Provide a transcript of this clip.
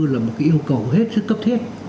là một cái yêu cầu hết sức cấp thiết